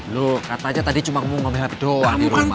lo katanya tadi cuma ngomel ngomel doang di rumah